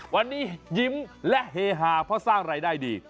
วันนี้ยิ้มและเฮฮาเพราะสร้างรายได้ดี